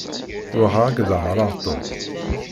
Ruḥeɣ ad k-d-aɣreɣ "Tom".